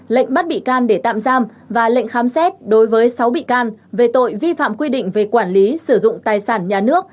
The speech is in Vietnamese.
lệnh bắt bị can để tạm giam và lệnh khám xét đối với sáu bị can về tội vi phạm quy định về quản lý sử dụng tài sản nhà nước